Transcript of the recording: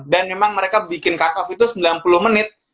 dan memang mereka bikin cut off itu sembilan puluh menit